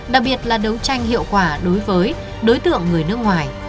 đặc biệt là đấu tranh hiệu quả đối với đối tượng người nước ngoài